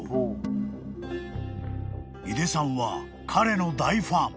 ［井出さんは彼の大ファン］